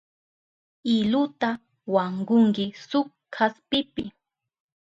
Iluta wankunki shuk kaspipi.